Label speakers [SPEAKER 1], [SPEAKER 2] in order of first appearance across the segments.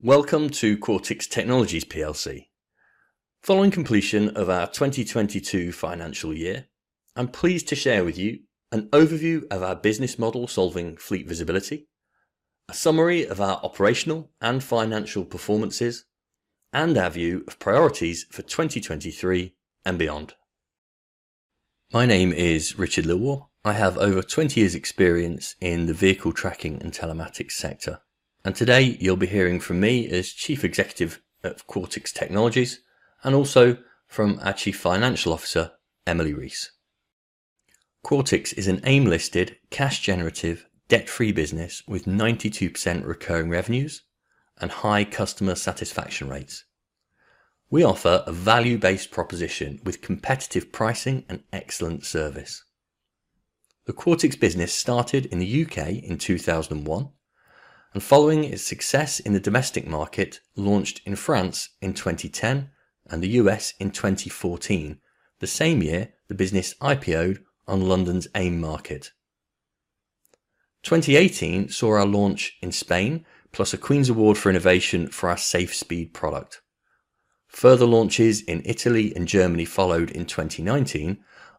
[SPEAKER 1] Welcome to Quartix Technologies Plc. Following completion of our 2022 financial year, I'm pleased to share with you an overview of our business model solving fleet visibility, a summary of our operational and financial performances, and our view of priorities for 2023 and beyond. My name is Richard Lilwall. I have over 20 years' experience in the vehicle tracking and telematics sector, and today, you'll be hearing from me as Chief Executive of Quartix Technologies and also from our Chief Financial Officer, Emily Rees. Quartix is an AIM-listed, cash-generative, debt-free business with 92% recurring revenues and high customer satisfaction rates. We offer a value-based proposition with competitive pricing and excellent service. The Quartix business started in the U.K. in 2001, following its success in the domestic market, launched in France in 2010 and the U.S. in 2014, the same year the business IPO'd on London's AIM market. 2018 saw our launch in Spain, plus a Queen's Award for Innovation for our SafeSpeed product. Further launches in Italy and Germany followed in 2019,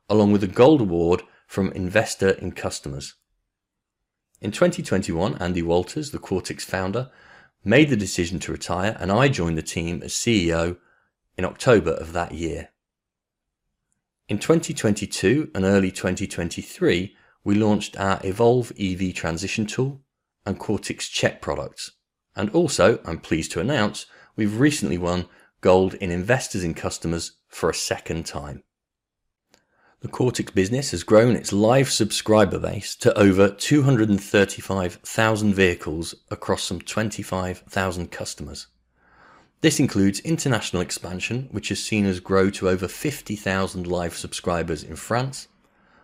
[SPEAKER 1] along with a gold award from Investor in Customers. In 2021, Andy Walters, the Quartix Founder, made the decision to retire, I joined the team as CEO in October of that year. In 2022 and early 2023, we launched our EVolve EV transition tool and Quartix Check products. Also, I'm pleased to announce, we've recently won gold in Investors in Customers for a second time. The Quartix business has grown its live subscriber base to over 235,000 vehicles across some 25,000 customers. This includes international expansion, which has seen us grow to over 50,000 live subscribers in France,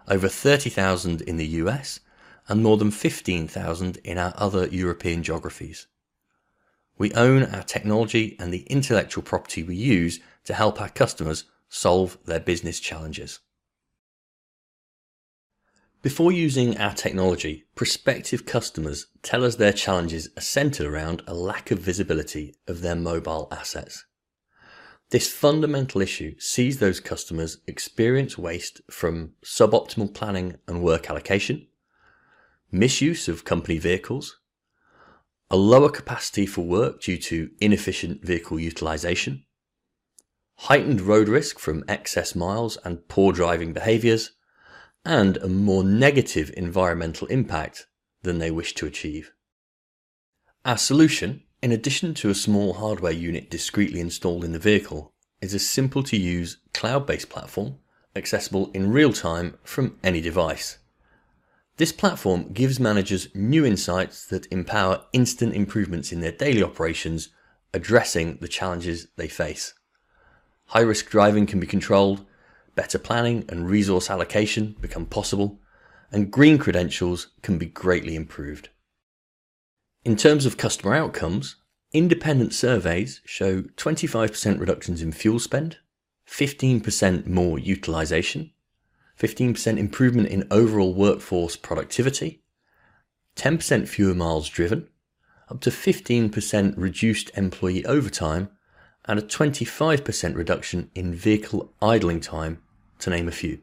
[SPEAKER 1] over 30,000 in the U.S., and more than 15,000 in our other European geographies. We own our technology and the intellectual property we use to help our customers solve their business challenges. Before using our technology, prospective customers tell us their challenges are centered around a lack of visibility of their mobile assets. This fundamental issue sees those customers experience waste from suboptimal planning and work allocation, misuse of company vehicles, a lower capacity for work due to inefficient vehicle utilization, heightened road risk from excess miles and poor driving behaviors, and a more negative environmental impact than they wish to achieve. Our solution, in addition to a small hardware unit discreetly installed in the vehicle, is a simple-to-use cloud-based platform, accessible in real time from any device. This platform gives managers new insights that empower instant improvements in their daily operations, addressing the challenges they face. High-risk driving can be controlled, better planning and resource allocation become possible, and green credentials can be greatly improved. In terms of customer outcomes, independent surveys show 25% reductions in fuel spend, 15% more utilization, 15% improvement in overall workforce productivity, 10% fewer miles driven, up to 15% reduced employee overtime, and a 25% reduction in vehicle idling time, to name a few.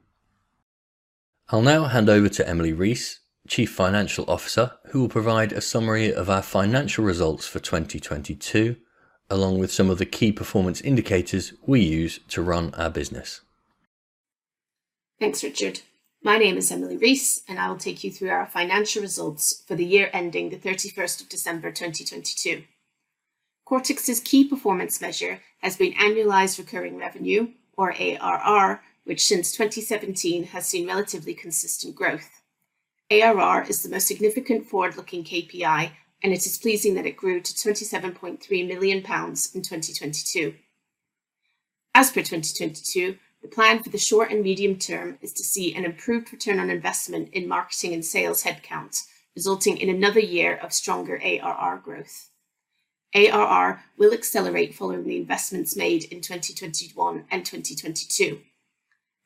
[SPEAKER 1] I'll now hand over to Emily Rees, Chief Financial Officer, who will provide a summary of our financial results for 2022 along with some of the key performance indicators we use to run our business.
[SPEAKER 2] Thanks, Richard. My name is Emily Rees, I will take you through our financial results for the year ending the 31st of December, 2022. Quartix's key performance measure has been annualized recurring revenue, or ARR, which, since 2017, has seen relatively consistent growth. ARR is the most significant forward-looking KPI, it is pleasing that it grew to 27.3 million (Pound Sterling) in 2022. As per 2022, the plan for the short and medium term is to see an improved return on investment in marketing and sales headcounts, resulting in another year of stronger ARR growth. ARR will accelerate following the investments made in 2021 and 2022.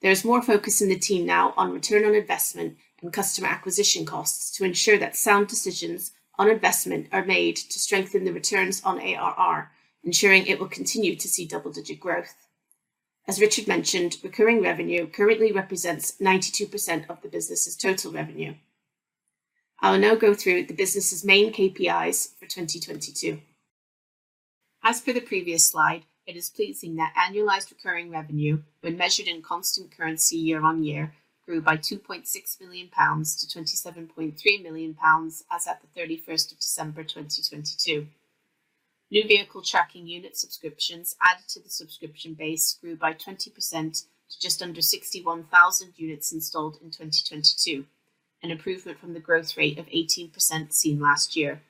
[SPEAKER 2] There is more focus in the team now on return on investment and customer acquisition costs to ensure that sound decisions on investment are made to strengthen the returns on ARR, ensuring it will continue to see double-digit growth. As Richard Lilwall mentioned, recurring revenue currently represents 92% of the business's total revenue. I will now go through the business's main KPIs for 2022. As per the previous slide, it is pleasing that annualized recurring revenue, when measured in constant currency year-on-year, grew by 2.6 million (Pound Sterling) to 27.3 million (Pound Sterling) as at the 31st of December, 2022. New vehicle tracking unit subscriptions added to the subscription base grew by 20% to just under 61,000 units installed in 2022, an improvement from the growth rate of 18% seen last year.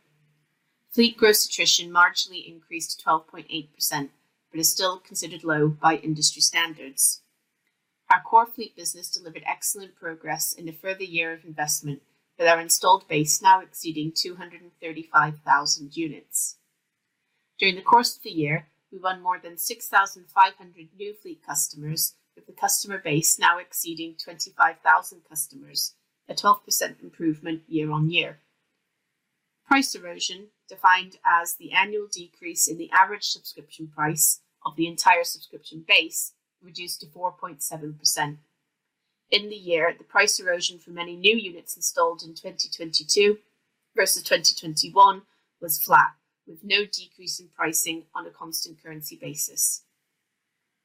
[SPEAKER 2] Fleet gross attrition marginally increased to 12.8% but is still considered low by industry standards. Our core fleet business delivered excellent progress in a further year of investment, with our installed base now exceeding 235,000 units. During the course of the year, we won more than 6,500 new fleet customers, with the customer base now exceeding 25,000 customers, a 12% improvement year on year. Price erosion, defined as the annual decrease in the average subscription price of the entire subscription base, reduced to 4.7%. In the year, the price erosion for many new units installed in 2022 versus 2021 was flat, with no decrease in pricing on a constant currency basis.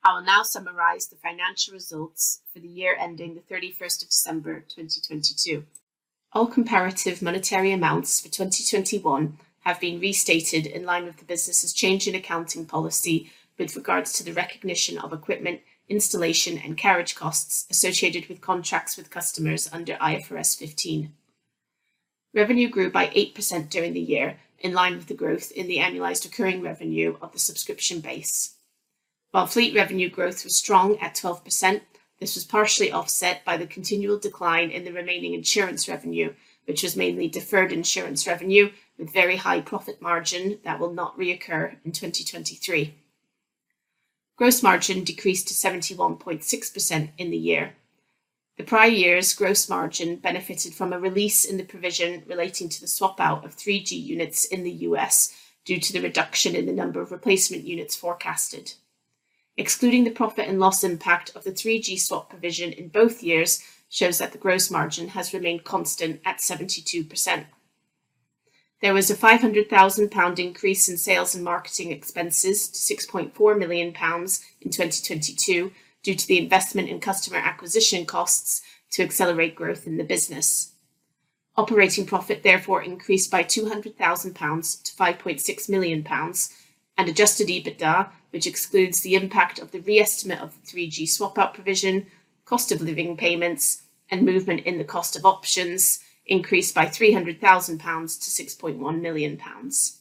[SPEAKER 2] I will now summarize the financial results for the year ending the 31st of December, 2022. All comparative monetary amounts for 2021 have been restated in line with the business's change in accounting policy with regards to the recognition of equipment, installation, and carriage costs associated with contracts with customers under IFRS 15. Revenue grew by 8% during the year, in line with the growth in the annualized recurring revenue of the subscription base. While fleet revenue growth was strong at 12%, this was partially offset by the continual decline in the remaining insurance revenue, which was mainly deferred insurance revenue with very high profit margin that will not reoccur in 2023. Gross margin decreased to 71.6% in the year. The prior year's gross margin benefited from a release in the provision relating to the swap out of 3G units in the U.S. due to the reduction in the number of replacement units forecasted. Excluding the profit and loss impact of the 3G swap provision in both years shows that the gross margin has remained constant at 72%. There was a 500,000 (Pound Sterling) increase in sales and marketing expenses to 6.4 million (Pound Sterling) in 2022 due to the investment in customer acquisition costs to accelerate growth in the business. Operating profit therefore increased by 200,000 (Pound Sterling) to 5.6 million (Pound Sterling). Adjusted EBITDA, which excludes the impact of the re-estimate of the 3G swap out provision, cost of living payments, and movement in the cost of options, increased by 300,000 (Pound Sterling) to 6.1 million (Pound Sterling).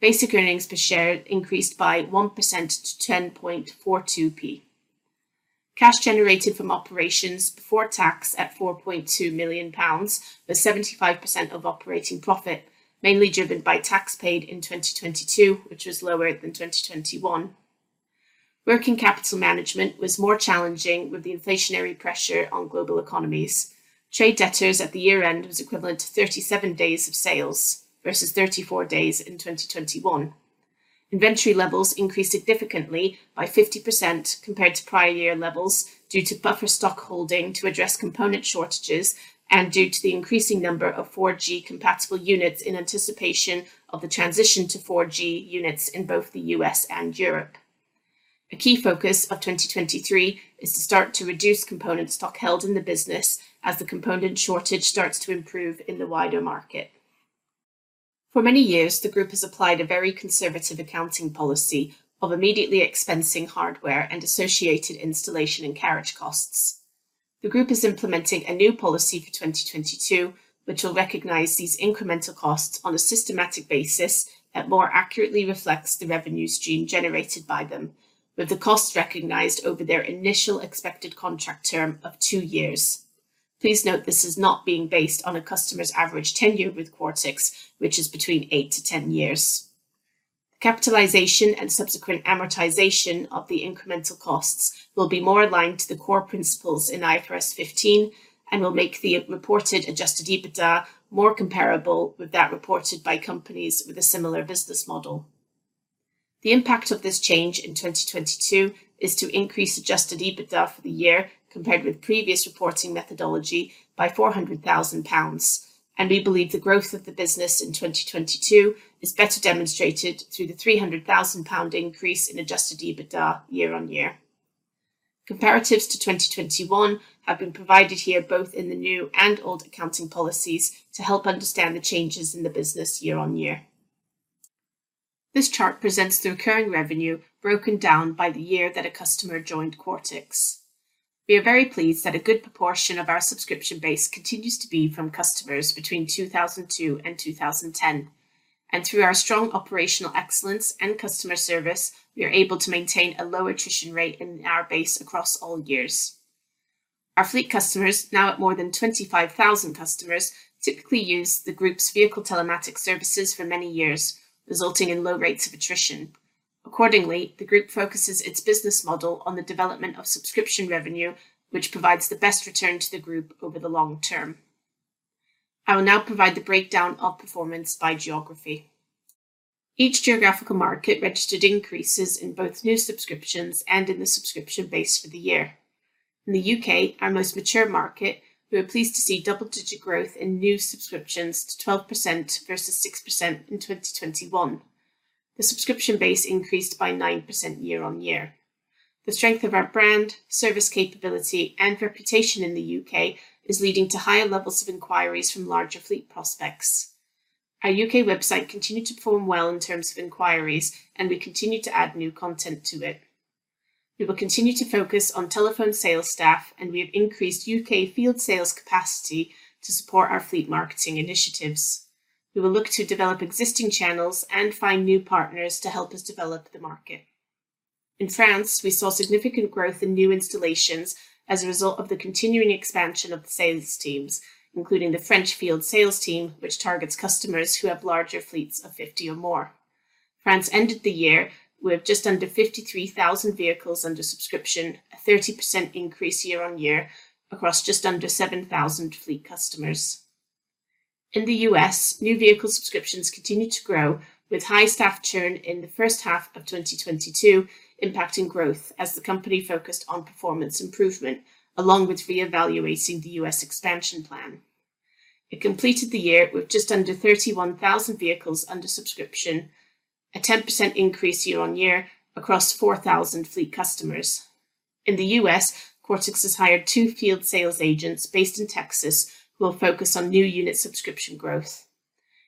[SPEAKER 2] Basic earnings per share increased by 1% to 10.42 (Pound Sterling). Cash generated from operations before tax at 4.2 million (Pound Sterling), with 75% of operating profit, mainly driven by tax paid in 2022, which was lower than 2021. Working capital management was more challenging with the inflationary pressure on global economies. Trade debtors at the year-end was equivalent to 37 days of sales versus 34 days in 2021. Inventory levels increased significantly by 50% compared to prior year levels due to buffer stock holding to address component shortages and due to the increasing number of 4G compatible units in anticipation of the transition to 4G units in both the U.S. and Europe. A key focus of 2023 is to start to reduce component stock held in the business as the component shortage starts to improve in the wider market. For many years, the group has applied a very conservative accounting policy of immediately expensing hardware and associated installation and carriage costs. The group is implementing a new policy for 2022, which will recognize these incremental costs on a systematic basis that more accurately reflects the revenue stream generated by them, with the costs recognized over their initial expected contract term of two years. Please note this is not being based on a customer's average tenure with Quartix, which is between eight to 10 years. Capitalization and subsequent amortization of the incremental costs will be more aligned to the core principles in IFRS 15 and will make the reported adjusted EBITDA more comparable with that reported by companies with a similar business model. The impact of this change in 2022 is to increase adjusted EBITDA for the year compared with previous reporting methodology by 400,000 (Pound Sterling). We believe the growth of the business in 2022 is better demonstrated through the 300,000 (Pound Sterling) increase in adjusted EBITDA year-on-year. Comparatives to 2021 have been provided here both in the new and old accounting policies to help understand the changes in the business year-on-year. This chart presents the recurring revenue broken down by the year that a customer joined Quartix. We are very pleased that a good proportion of our subscription base continues to be from customers between 2002 and 2010. Through our strong operational excellence and customer service, we are able to maintain a low attrition rate in our base across all years. Our fleet customers, now at more than 25,000 customers, typically use the group's vehicle telematic services for many years, resulting in low rates of attrition. Accordingly, the group focuses its business model on the development of subscription revenue, which provides the best return to the group over the long term. I will now provide the breakdown of performance by geography. Each geographical market registered increases in both new subscriptions and in the subscription base for the year. In the U.K., our most mature market, we were pleased to see double-digit growth in new subscriptions to 12% versus 6% in 2021. The subscription base increased by 9% year on year. The strength of our brand, service capability, and reputation in the U.K. is leading to higher levels of inquiries from larger fleet prospects. Our U.K. website continued to perform well in terms of inquiries, and we continue to add new content to it. We will continue to focus on telephone sales staff, and we have increased U.K. field sales capacity to support our fleet marketing initiatives. We will look to develop existing channels and find new partners to help us develop the market. In France, we saw significant growth in new installations as a result of the continuing expansion of the sales teams, including the French field sales team, which targets customers who have larger fleets of 50 or more. France ended the year with just under 53,000 vehicles under subscription, a 30% increase year-over-year across just under 7,000 fleet customers. In the U.S., new vehicle subscriptions continued to grow with high staff churn in the first half of 2022 impacting growth as the company focused on performance improvement along with reevaluating the U.S. expansion plan. It completed the year with just under 31,000 vehicles under subscription, a 10% increase year on year across 4,000 fleet customers. In the U.S., Quartix has hired two field sales agents based in Texas who will focus on new unit subscription growth.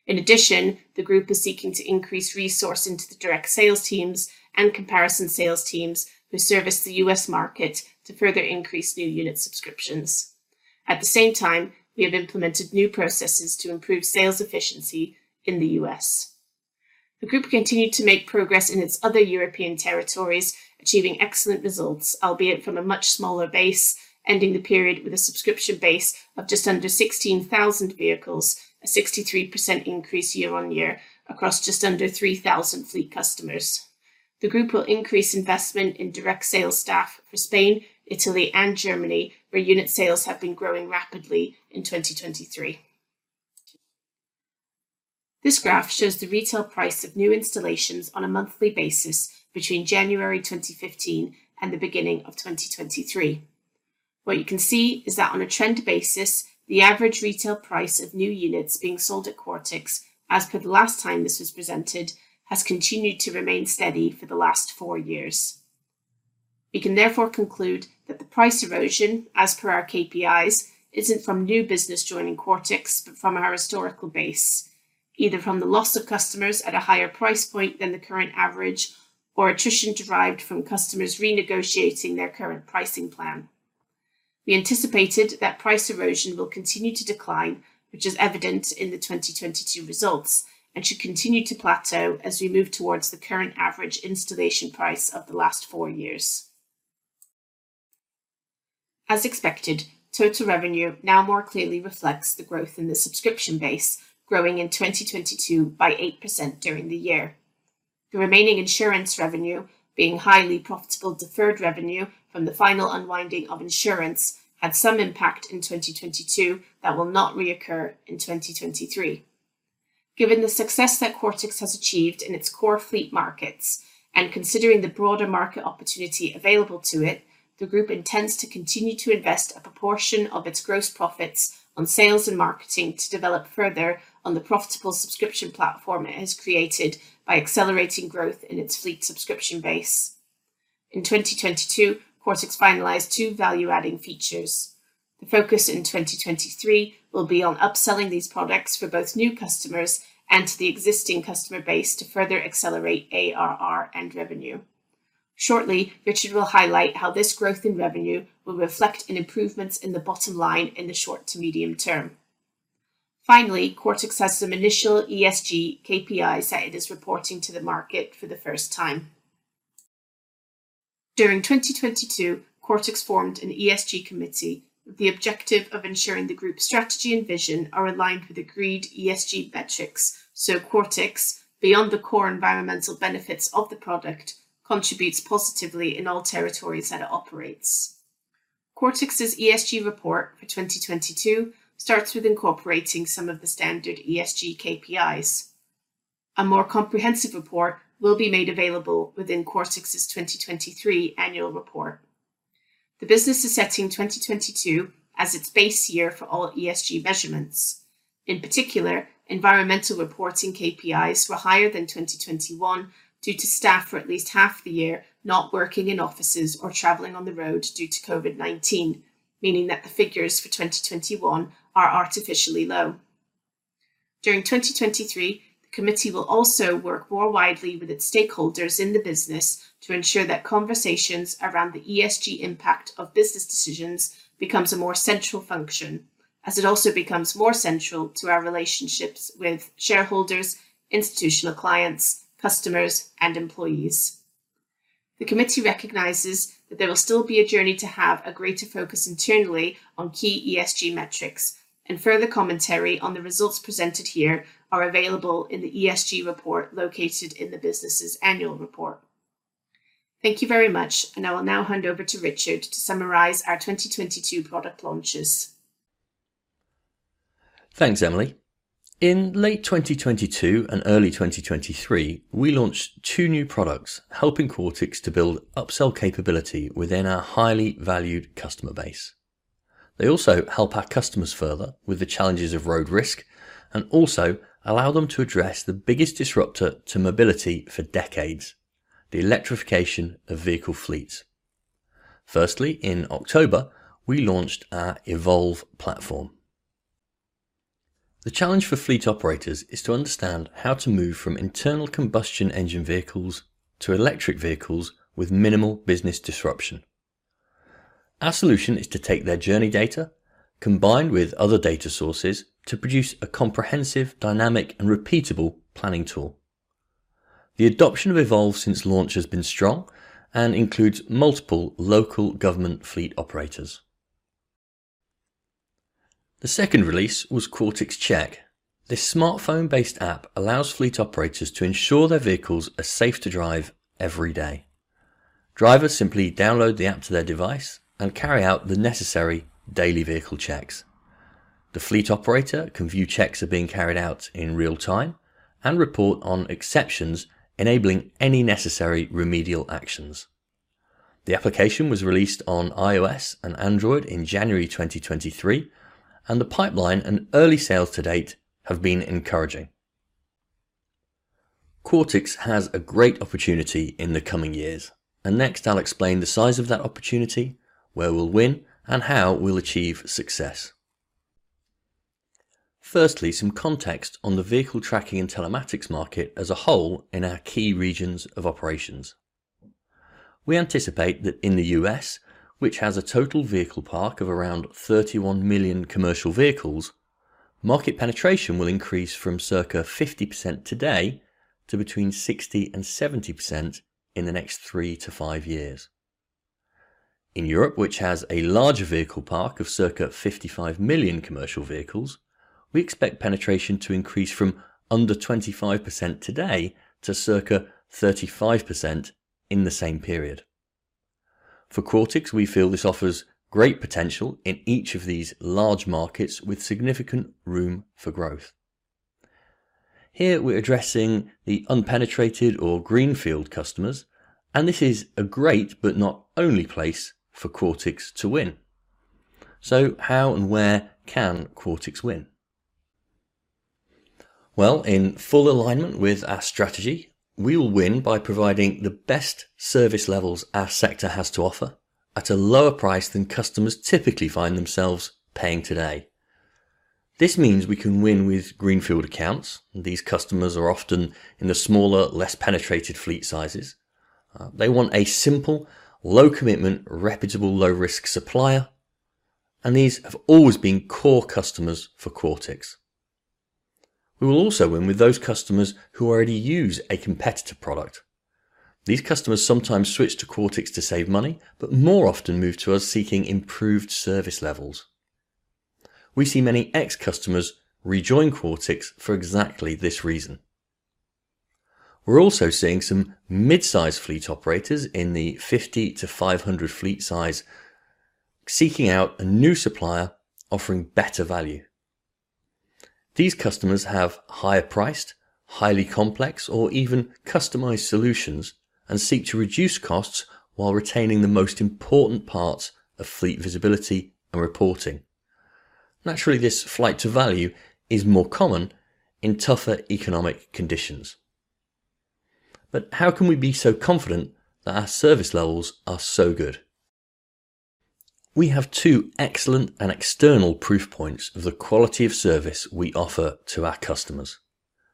[SPEAKER 2] In addition, the group is seeking to increase resource into the direct sales teams and comparison sales teams who service the U.S. market to further increase new unit subscriptions. At the same time, we have implemented new processes to improve sales efficiency in the U.S. The group continued to make progress in its other European territories, achieving excellent results, albeit from a much smaller base, ending the period with a subscription base of just under 16,000 vehicles, a 63% increase year-on-year across just under 3,000 fleet customers. The group will increase investment in direct sales staff for Spain, Italy, and Germany, where unit sales have been growing rapidly in 2023. This graph shows the retail price of new installations on a monthly basis between January 2015 and the beginning of 2023. What you can see is that on a trend basis, the average retail price of new units being sold at Quartix as per the last time this was presented has continued to remain steady for the last four years. We can therefore conclude that the price erosion, as per our KPIs, isn't from new business joining Quartix, but from our historical base, either from the loss of customers at a higher price point than the current average or attrition derived from customers renegotiating their current pricing plan. We anticipated that price erosion will continue to decline, which is evident in the 2022 results, and should continue to plateau as we move towards the current average installation price of the last four years. As expected, total revenue now more clearly reflects the growth in the subscription base growing in 2022 by 8% during the year. The remaining insurance revenue being highly profitable deferred revenue from the final unwinding of insurance had some impact in 2022 that will not reoccur in 2023. Given the success that Quartix has achieved in its core fleet markets and considering the broader market opportunity available to it, the group intends to continue to invest a proportion of its gross profits on sales and marketing to develop further on the profitable subscription platform it has created by accelerating growth in its fleet subscription base. In 2022, Quartix finalized two value-adding features. The focus in 2023 will be on upselling these products for both new customers and to the existing customer base to further accelerate ARR and revenue. Shortly, Richard will highlight how this growth in revenue will reflect in improvements in the bottom line in the short to medium term. Finally, Quartix has some initial ESG KPIs that it is reporting to the market for the first time. During 2022, Quartix formed an ESG Committee with the objective of ensuring the group's strategy and vision are aligned with agreed ESG metrics, so Quartix, beyond the core environmental benefits of the product, contributes positively in all territories that it operates. Quartix's ESG report for 2022 starts with incorporating some of the standard ESG KPIs. A more comprehensive report will be made available within Quartix's 2023 annual report. The business is setting 2022 as its base year for all ESG measurements. In particular, environmental reporting KPIs were higher than 2021 due to staff for at least half the year not working in offices or traveling on the road due to COVID-19, meaning that the figures for 2021 are artificially low. During 2023, the committee will also work more widely with its stakeholders in the business to ensure that conversations around the ESG impact of business decisions becomes a more central function as it also becomes more central to our relationships with shareholders, institutional clients, customers, and employees. The committee recognizes that there will still be a journey to have a greater focus internally on key ESG metrics, and further commentary on the results presented here are available in the ESG report located in the business's annual report. Thank you very much, I will now hand over to Richard to summarize our 2022 product launches.
[SPEAKER 1] Thanks, Emily. In late 2022 and early 2023, we launched two new products helping Quartix to build upsell capability within our highly valued customer base. They also help our customers further with the challenges of road risk and also allow them to address the biggest disruptor to mobility for decades, the electrification of vehicle fleets. Firstly, in October, we launched our EVolve platform. The challenge for fleet operators is to understand how to move from internal combustion engine vehicles to electric vehicles with minimal business disruption. Our solution is to take their journey data combined with other data sources to produce a comprehensive, dynamic, and repeatable planning tool. The adoption of EVolve since launch has been strong and includes multiple local government fleet operators. The second release was Quartix Check. This smartphone-based app allows fleet operators to ensure their vehicles are safe to drive every day. Drivers simply download the app to their device and carry out the necessary daily vehicle checks. The fleet operator can view checks are being carried out in real time and report on exceptions, enabling any necessary remedial actions. The application was released on iOS and Android in January 2023, the pipeline and early sales to date have been encouraging. Quartix has a great opportunity in the coming years, next I'll explain the size of that opportunity, where we'll win, and how we'll achieve success. Firstly, some context on the vehicle tracking and telematics market as a whole in our key regions of operations. We anticipate that in the U.S., which has a total vehicle park of around 31 million commercial vehicles, market penetration will increase from circa 50% today to between 60% and 70% in the next three to five years. In Europe, which has a larger vehicle park of circa 55 million commercial vehicles, we expect penetration to increase from under 25% today to circa 35% in the same period. For Quartix, we feel this offers great potential in each of these large markets with significant room for growth. Here we're addressing the unpenetrated or greenfield customers, and this is a great but not only place for Quartix to win. How and where can Quartix win? Well, in full alignment with our strategy, we will win by providing the best service levels our sector has to offer at a lower price than customers typically find themselves paying today. This means we can win with greenfield accounts. These customers are often in the smaller, less penetrated fleet sizes. They want a simple, low commitment, reputable, low-risk supplier, and these have always been core customers for Quartix. We will also win with those customers who already use a competitor product. These customers sometimes switch to Quartix to save money, but more often move to us seeking improved service levels. We see many ex-customers rejoin Quartix for exactly this reason. We're also seeing some mid-size fleet operators in the 50-500 fleet size seeking out a new supplier offering better value. These customers have higher priced, highly complex, or even customized solutions and seek to reduce costs while retaining the most important parts of fleet visibility and reporting. Naturally, this flight to value is more common in tougher economic conditions. How can we be so confident that our service levels are so good? We have two excellent and external proof points of the quality of service we offer to our customers.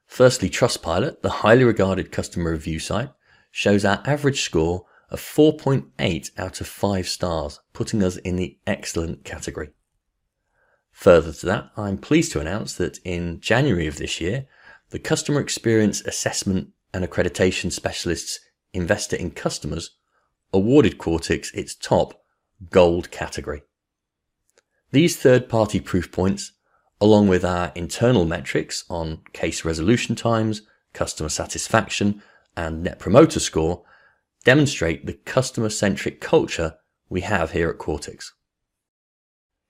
[SPEAKER 1] Firstly, Trustpilot, the highly regarded customer review site, shows our average score of 4.8 out of 5 stars, putting us in the excellent category. Further to that, I'm pleased to announce that in January of this year, the customer experience assessment and accreditation specialists Investor in Customers awarded Quartix its top gold category. These third-party proof points, along with our internal metrics on case resolution times, customer satisfaction, and Net Promoter Score, demonstrate the customer-centric culture we have here at Quartix.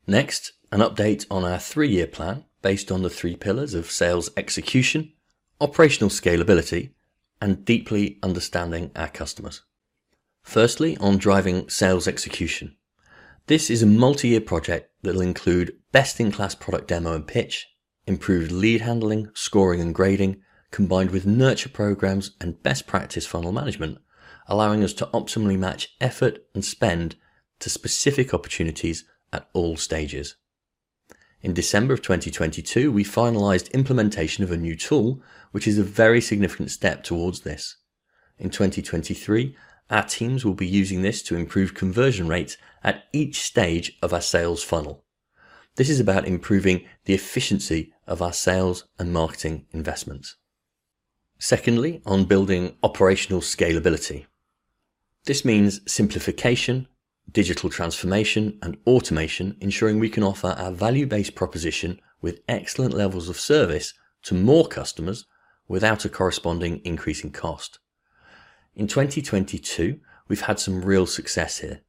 [SPEAKER 1] Next, an update on our three-year plan based on the three pillars of sales execution, operational scalability, and deeply understanding our customers. Firstly, on driving sales execution. This is a multi-year project that'll include best-in-class product demo and pitch, improved lead handling, scoring, and grading, combined with nurture programs and best practice funnel management, allowing us to optimally match effort and spend to specific opportunities at all stages. In December of 2022, we finalized implementation of a new tool, which is a very significant step towards this. In 2023, our teams will be using this to improve conversion rates at each stage of our sales funnel. This is about improving the efficiency of our sales and marketing investments. Secondly, on building operational scalability. This means simplification, digital transformation, and automation, ensuring we can offer our value-based proposition with excellent levels of service to more customers without a corresponding increase in cost. In 2022, we've had some real success here.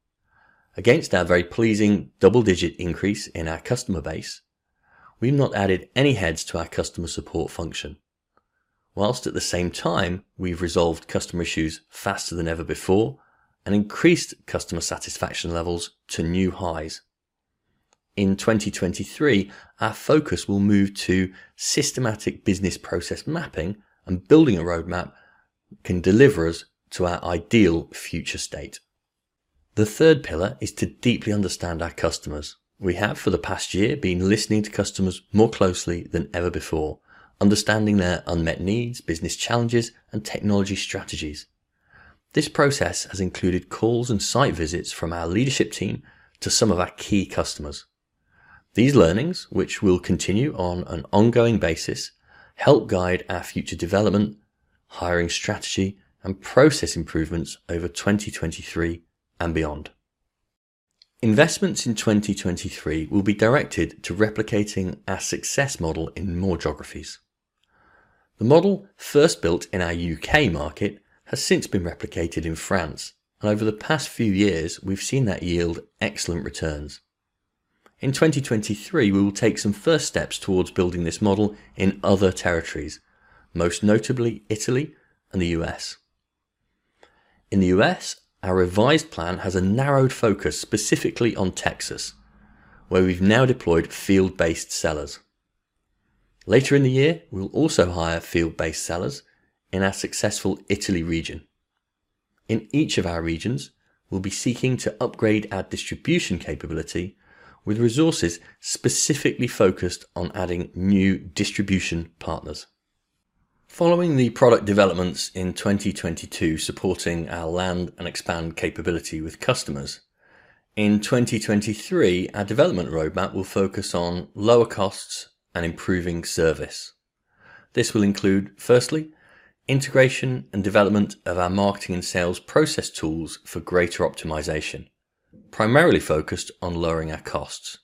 [SPEAKER 1] Against our very pleasing double-digit increase in our customer base, we've not added any heads to our customer support function, whilst at the same time, we've resolved customer issues faster than ever before and increased customer satisfaction levels to new highs. In 2023, our focus will move to systematic business process mapping and building a roadmap can deliver us to our ideal future state. The third pillar is to deeply understand our customers. We have, for the past year, been listening to customers more closely than ever before, understanding their unmet needs, business challenges, and technology strategies. This process has included calls and site visits from our leadership team to some of our key customers. These learnings, which will continue on an ongoing basis, help guide our future development hiring strategy and process improvements over 2023 and beyond. Investments in 2023 will be directed to replicating our success model in more geographies. The model first built in our U.K. market has since been replicated in France, and over the past few years we've seen that yield excellent returns. In 2023, we will take some first steps towards building this model in other territories, most notably Italy and the U.S. In the U.S., our revised plan has a narrowed focus specifically on Texas, where we've now deployed field-based sellers. Later in the year, we'll also hire field-based sellers in our successful Italy region. In each of our regions, we'll be seeking to upgrade our distribution capability with resources specifically focused on adding new distribution partners. Following the product developments in 2022 supporting our land and expand capability with customers, in 2023 our development roadmap will focus on lower costs and improving service. This will include, firstly, integration and development of our marketing and sales process tools for greater optimization, primarily focused on lowering our costs.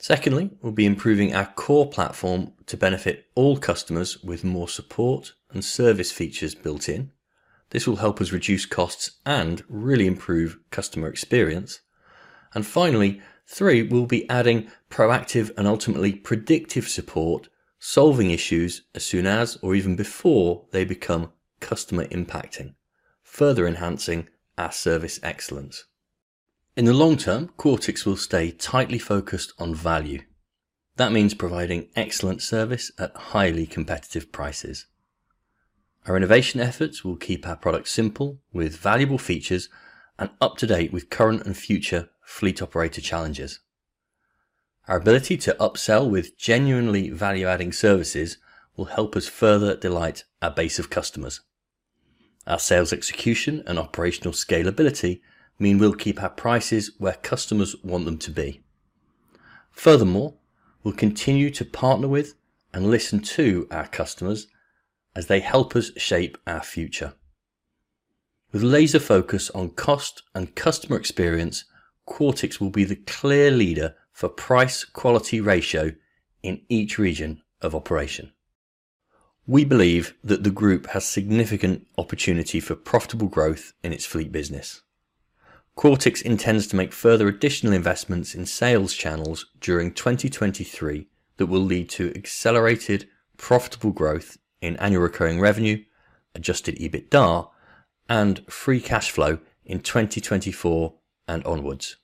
[SPEAKER 1] Secondly, we'll be improving our core platform to benefit all customers with more support and service features built in. This will help us reduce costs and really improve customer experience. Finally, three, we'll be adding proactive and ultimately predictive support, solving issues as soon as or even before they become customer impacting, further enhancing our service excellence. In the long term, Quartix will stay tightly focused on value. That means providing excellent service at highly competitive prices. Our innovation efforts will keep our product simple, with valuable features and up-to-date with current and future fleet operator challenges. Our ability to upsell with genuinely value-adding services will help us further delight our base of customers. Our sales execution and operational scalability mean we'll keep our prices where customers want them to be. We'll continue to partner with and listen to our customers as they help us shape our future. With laser focus on cost and customer experience, Quartix will be the clear leader for price quality ratio in each region of operation. We believe that the group has significant opportunity for profitable growth in its fleet business. Quartix intends to make further additional investments in sales channels during 2023 that will lead to accelerated profitable growth in annual recurring revenue, adjusted EBITDA and free cash flow in 2024 and onwards.